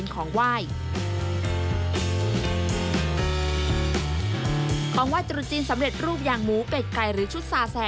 ของไหว้ตรุษจีนสำเร็จรูปอย่างหมูเป็ดไก่หรือชุดซาแซ